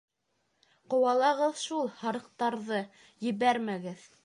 — Ҡыуалағыҙ шул һарыҡтарҙы, ебәрмәгеҙ.